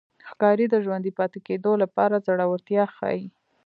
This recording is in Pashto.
ښکاري د ژوندي پاتې کېدو لپاره زړورتیا ښيي.